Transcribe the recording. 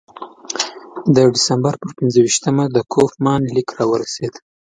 د ډسامبر پر پنځه ویشتمه د کوفمان لیک راورسېد.